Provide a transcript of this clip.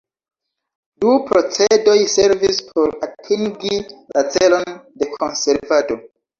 Du procedoj servis por atingi la celon de konservado.